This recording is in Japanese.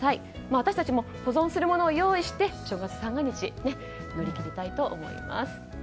私たちも保存するものを用意して正月、三が日を乗り切りたいと思います。